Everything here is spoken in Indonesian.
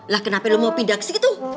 lah kenapa lo mau pindah ke sini tuh